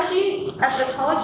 di tahap sekolah